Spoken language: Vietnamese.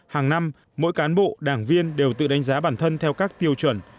hàng năm mỗi cán bộ đảng viên đều tự đánh giá bản thân theo các tiêu chuẩn